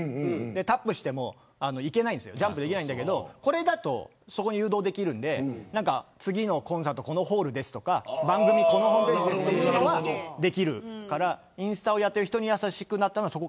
タップしてもジャンプできないんだけどこれだと誘導できるので次のコンサートはこのホールですとか番組はこのホームページというのができるからインスタをやっている人に優しくなった。